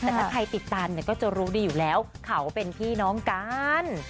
แต่ถ้าใครติดตามเนี่ยก็จะรู้ดีอยู่แล้วเขาเป็นพี่น้องกัน